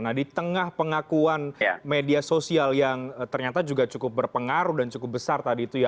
nah di tengah pengakuan media sosial yang ternyata juga cukup berpengaruh dan cukup besar tadi itu ya